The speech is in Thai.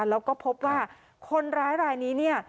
แล้วก็พบว่าคนร้ายรายนี้เนี่ย